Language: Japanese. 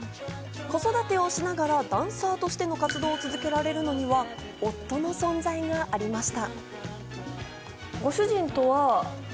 子育てをしながらダンサーとしての活動を続けられるのには夫の存在がありました。